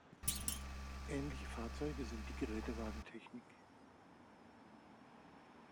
Ähnliche Fahrzeuge sind die Gerätewagen Technik.